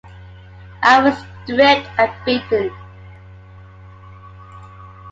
I was stripped and beaten.